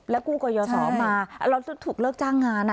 แล้วกู้กอยยสอมาเราถึงถูกเลิกจ้างงานอ่ะ